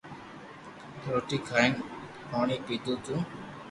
روٽي کائين پوڻي پيڌو تو